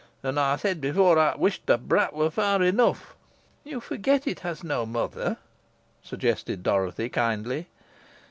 Os ey said efore, ey wish t' brat wur far enough." "You forget it has no mother," suggested Dorothy, kindly.